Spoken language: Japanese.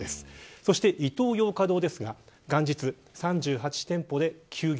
そしてイトーヨーカドーですが元日３８店舗で休業。